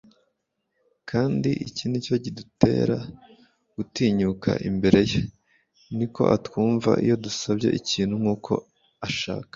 "Kandi iki nicyo kidutera gutinyuka imbere ye, ni uko atwumva, iyo dusabye ikintu nk'uko ashaka.